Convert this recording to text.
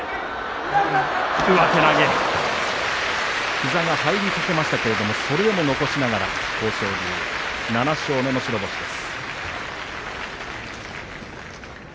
膝が入りかけましたけれどそれでも残しながら豊昇龍、７勝目の白星です。